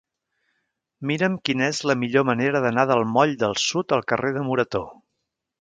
Mira'm quina és la millor manera d'anar del moll del Sud al carrer de Morató.